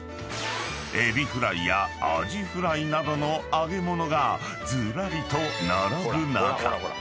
［エビフライやアジフライなどの揚げ物がずらりと並ぶ中］